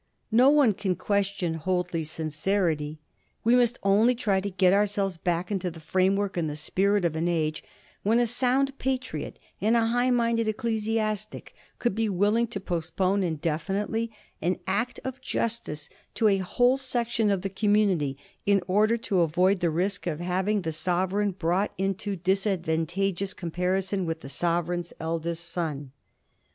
No one can question Hoadley's pincerity. We must only try to get ourselves back into the framework and the spirit of an age when a sound pa triot and a high minded ecclesiastic could be willing to postpone indefinitely an act of justice to a whole section of the community in order to avoid the risk of having the Sovereign brought into disadvantageous comparison with the Sovereign's eldest son.